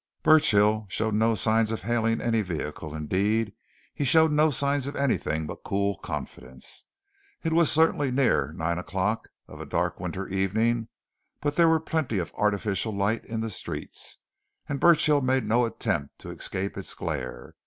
Burchill showed no sign of hailing any vehicle; indeed, he showed no sign of anything but cool confidence. It was certainly nearly nine o'clock of a dark winter evening, but there was plenty of artificial light in the streets, and Burchill made no attempt to escape its glare.